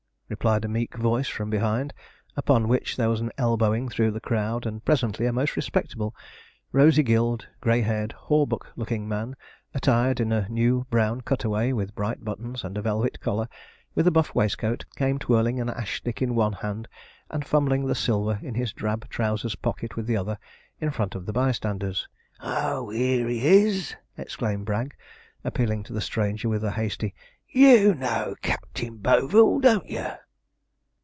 replied a meek voice from behind; upon which there was an elbowing through the crowd, and presently a most respectable, rosy gilled, grey haired, hawbuck looking man, attired in a new brown cutaway, with bright buttons and a velvet collar, with a buff waistcoat, came twirling an ash stick in one hand, and fumbling the silver in his drab trousers' pocket with the other, in front of the bystanders. 'Oh! 'ere he is!' exclaimed Bragg, appealing to the stranger with a hasty 'You know Captain Boville, don't you?'